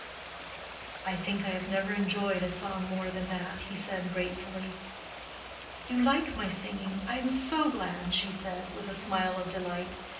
"I think I never enjoyed a song more than that," he said, gratefully. "You like my singing? I am so glad," she said, with a smile of delight.